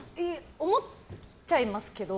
思っちゃいますけど。